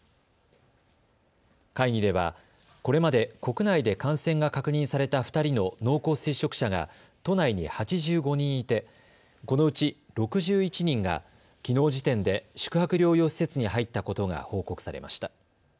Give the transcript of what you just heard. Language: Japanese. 会議ではこれまで国内で感染が確認された２人の濃厚接触者が都内に８５人いてこのうち６１人がきのう時点で宿泊療養施設に入ったことが報告されました。